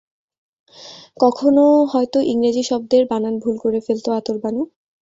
কখনো হয়তো ইংরেজি কোনো শব্দের বানান ভুল করে ফেলত আতর বানু।